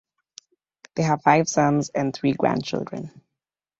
They have five sons and three grandchildren.